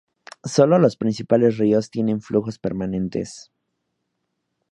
Sólo los principales ríos tienen flujos permanentes.